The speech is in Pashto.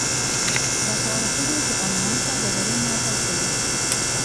باسواده ښځې د انلاین سوداګرۍ ملاتړ کوي.